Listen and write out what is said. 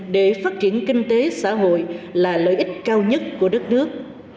để phát triển kinh tế xã hội là lợi ích cao nhất của đất nước